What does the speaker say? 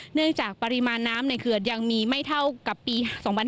เนื่องจากปริมาณน้ำในเขื่อนยังมีไม่เท่ากับปี๒๕๕๙